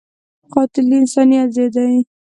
قاتل د انسانیت ضد دی